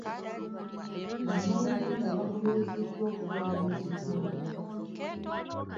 Bannayuganda bakubiriziddwa okubeera n'ekigendererwa.